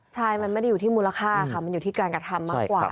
ใช่มันไม่ได้อยู่ที่มูลค่าค่ะมันอยู่ที่การกระทำมากกว่า